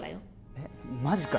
えっマジか